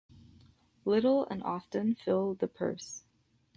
Little and often fill the purse.